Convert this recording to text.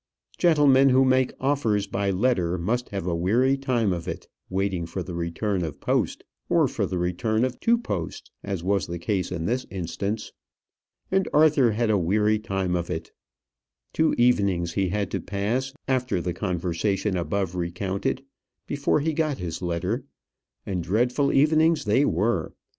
Gentlemen who make offers by letter must have a weary time of it, waiting for the return of post, or for the return of two posts, as was the case in this instance. And Arthur had a weary time of it. Two evenings he had to pass, after the conversation above recounted, before he got his letter; and dreadful evenings they were.